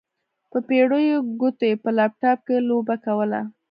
په پېړو ګوتو يې په لپټاپ کې لوبه کوله.